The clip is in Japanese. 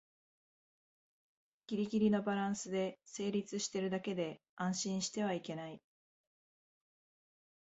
ギリギリのバランスで成立してるだけで安心してはいけない